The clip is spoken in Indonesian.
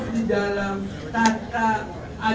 di dalam perang